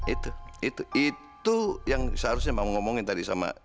itu itu itu yang seharusnya mama ngomongin tadi sama